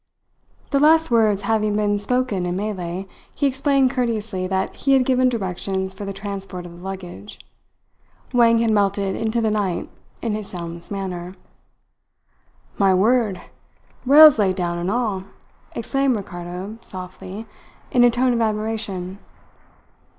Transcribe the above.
The last words having been spoken in Malay, he explained courteously that he had given directions for the transport of the luggage. Wang had melted into the night in his soundless manner. "My word! Rails laid down and all," exclaimed Ricardo softly, in a tone of admiration.